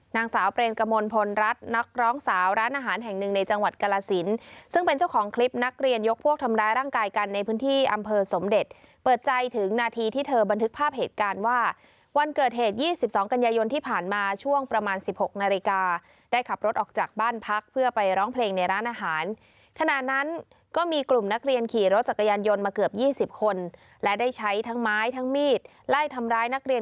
นางสาวเพลงกมลพลรัฐนักร้องสาวร้านอาหารแห่งหนึ่งในจังหวัดกรสินซึ่งเป็นเจ้าของคลิปนักเรียนยกพวกทำร้ายร่างกายกันในพื้นที่อำเภอสมเด็จเปิดใจถึงนาทีที่เธอบันทึกภาพเหตุการณ์ว่าวันเกิดเหตุ๒๒กัญญาโยนที่ผ่านมาช่วงประมาณ๑๖นาฬิกาได้ขับรถออกจากบ้านพักเพื่อไปร้องเพลงในร้